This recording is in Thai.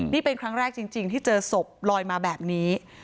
นี่เป็นครั้งแรกจริงที่เจอศพลอยมาแบบนี้